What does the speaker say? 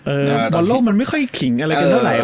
บอลโลกมันไม่ค่อยขิงอะไรกันเท่าไหร่